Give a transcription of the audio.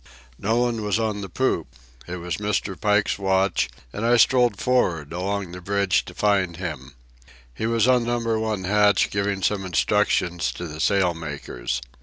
No one was on the poop. It was Mr. Pike's watch, and I strolled for'ard along the bridge to find him. He was on Number One hatch giving some instructions to the sail makers.